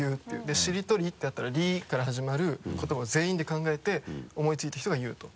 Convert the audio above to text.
で「しりとり」だったら「り」から始まる言葉を全員で考えて思いついた人が言うと。